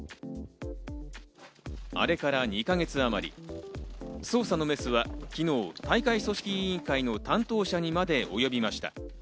あれから２か月あまり、捜査のメスは昨日、大会組織委員会の担当者にまで及びました。